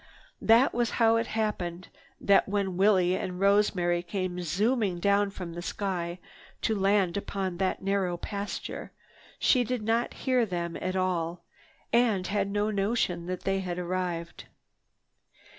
That was how it happened that when Willie and Rosemary came zooming down from the sky to land upon that narrow pasture, she did not hear them at all, and had no notion that they had arrived.